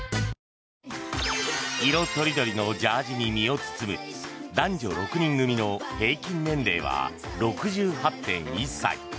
色とりどりのジャージーに身を包む男女６人組の平均年齢は６８．１歳。